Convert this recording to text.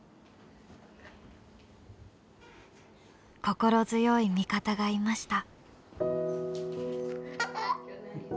心強い味方がいました。